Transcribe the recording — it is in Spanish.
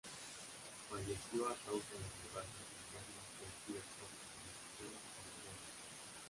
Falleció a causa de hemorragias internas producidas por fragmentación de las bombas.